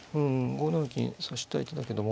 ５七金指したい手だけども。